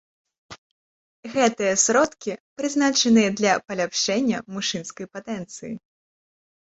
Гэтыя сродкі прызначаныя для паляпшэння мужчынскай патэнцыі.